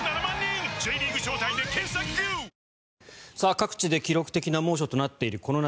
各地で記録的な猛暑となっているこの夏。